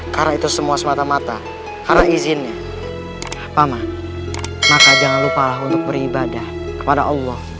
karena itu semua semata mata karena izinnya paman maka jangan lupalah untuk beribadah kepada allah